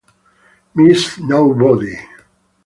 Miss Nobody